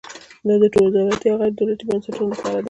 دا د دولتي او غیر دولتي بنسټونو لپاره دی.